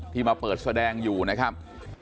มาเปิดแสดงอยู่นะครับ